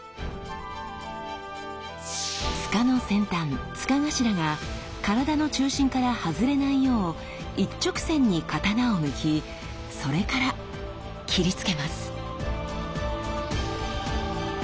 柄の先端柄頭が体の中心から外れないよう一直線に刀を抜きそれから斬りつけます。